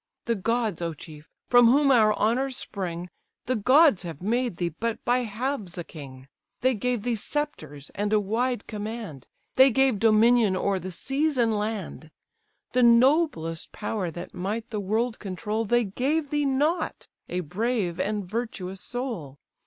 The gods, O chief! from whom our honours spring, The gods have made thee but by halves a king: They gave thee sceptres, and a wide command; They gave dominion o'er the seas and land; The noblest power that might the world control They gave thee not—a brave and virtuous soul.